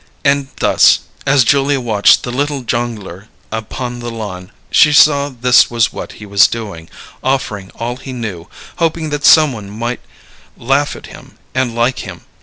And thus, as Julia watched the little Jongleur upon the lawn, she saw this was what he was doing: offering all he knew, hoping that someone might laugh at him, and like him.